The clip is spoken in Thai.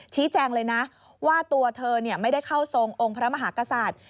ชี้แจงเลยนะว่าตัวเธอไม่ได้เข้าทรงองค์พระมหากษัตริย์